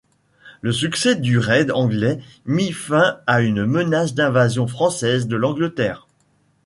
Le succès du raid anglais mit fin à une menace d'invasion française de l'Angleterre.